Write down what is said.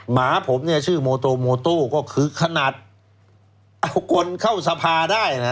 หมาผมเนี่ยชื่อโมโตโมโต้ก็คือขนาดเอาคนเข้าสภาได้นะ